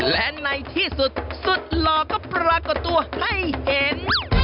และในที่สุดสุดหล่อก็ปรากฏตัวให้เห็น